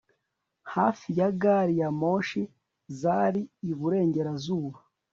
Hafi ya gari ya moshi zari iburengerazuba